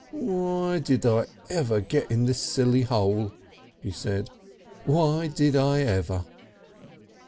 "Why did I ever get in this silly Hole?" he said. "Why did I ever?"